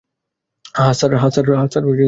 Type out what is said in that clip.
হ্যাঁ, sir, room service থেকে।